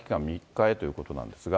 ３日へということなんですが。